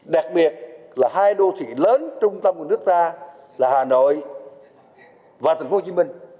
đặc biệt là hai đô thị lớn trung tâm của nước ta là hà nội và thành phố hồ chí minh